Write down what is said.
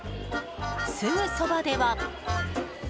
すぐそばでは。